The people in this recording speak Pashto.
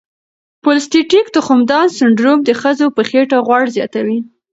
پولی سیسټیک تخمدان سنډروم د ښځو په خېټه غوړ زیاتوي.